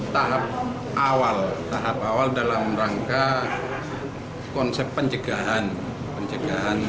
tahap awal dalam rangka konsep pencegahan